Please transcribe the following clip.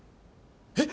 えっ